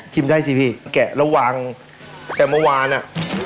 ได้สิพี่แกะระวังแต่เมื่อวานอ่ะ